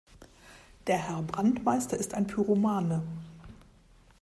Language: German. Der Herr Brandmeister ist ein Pyromane.